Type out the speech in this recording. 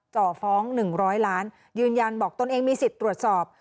จ่อฟ้อง๑๐๐ล้านยืนยันบอกตนเองมีสิทธิ์ตรวจสอบ